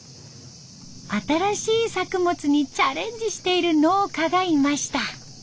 新しい作物にチャレンジしている農家がいました。